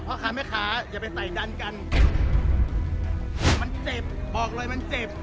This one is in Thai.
พ่อค้าแม่ค้าอย่าไปใส่ดันกันมันเจ็บบอกเลยมันเจ็บ